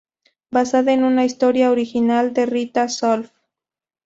Basada en una historia original de Rita Solf.